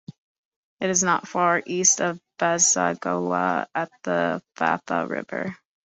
It is not far east of Bossangoa at the Fafa river.